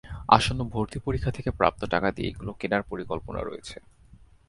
আসন্ন ভর্তি পরীক্ষা থেকে প্রাপ্ত টাকা দিয়েই এগুলো কেনার পরিকল্পনা রয়েছে।